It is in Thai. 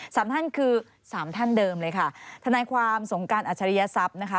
สามท่านคือสามท่านเดิมเลยค่ะทนายความสงการอัจฉริยศัพย์นะคะ